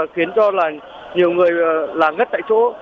khiến cho nhiều người ngất tại chỗ